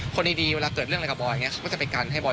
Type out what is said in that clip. คนดีเวลาเกิดเรื่องอะไรกับบอยอย่างนี้เขาก็จะไปกันให้บอย